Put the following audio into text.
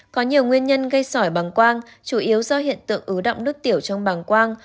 có nhiều nguyên nhân gây sỏi bằng quang chủ yếu do hiện tượng ứ động nước tiểu trong bằng quang